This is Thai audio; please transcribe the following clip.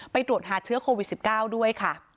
ตรวจหาเชื้อโควิด๑๙ด้วยค่ะ